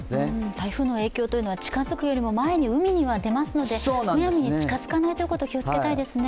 台風の影響というのは近づくより前に海に出ますのでむやみに近づかないということを気をつけたいですね。